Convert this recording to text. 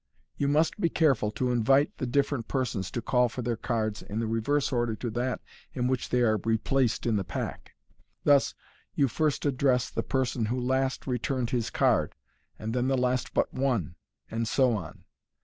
You must be careful to invite the different persons to call for their cards in the reverse order to that in which they are replaced in the pack. Thus, you first address the person who last returned his card, and then the last but one, and so on.